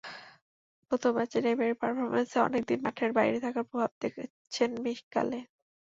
প্রথম ম্যাচে নেইমারের পারফরম্যান্সে অনেক দিন মাঠের বাইরে থাকার প্রভাব দেখছেন মিকালে।